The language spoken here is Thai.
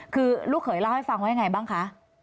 คือลูกเขยเล่าให้ฟังว่ายังไงบ้างคะ